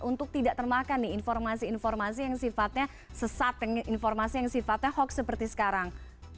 untuk tidak termakan nih informasi informasi yang sifatnya sesat informasi yang sifatnya hoax seperti sekarang